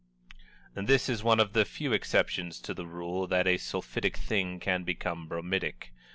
This is one of the few exceptions to the rule that a sulphitic thing can become bromidic.